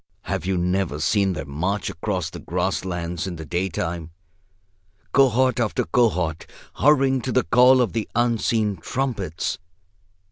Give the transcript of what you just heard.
Have you never seen them march across the grass lands in the daytime, cohort after cohort, hurrying to the call of the unseen trumpets?